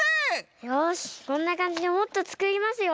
よしこんなかんじでもっとつくりますよ。